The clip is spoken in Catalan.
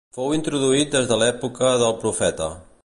Fou introduït des de l'època del Profeta.